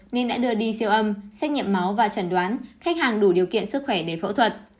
nên đã đưa đi siêu âm xét nghiệm máu và trần đoán khách hàng đủ điều kiện sức khỏe để phẫu thuật